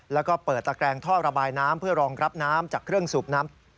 แล้วก็เปิดตะแกรงท่อระบายน้ำเพื่อรองรับน้ำจากเครื่องสูบน้ำ